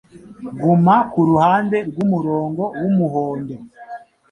Guma kuruhande rwumurongo wumuhondo.